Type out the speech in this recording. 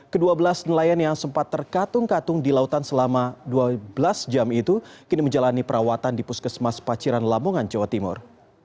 kedua belas nelayan yang sempat terkatung katung di lautan selama dua belas jam itu kini menjalani perawatan di puskesmas paciran lamongan jawa timur